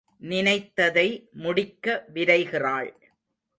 நினைத்ததை முடிக்க விரைகிறாள்.